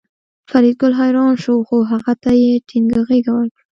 فریدګل حیران شو خو هغه ته یې ټینګه غېږه ورکړه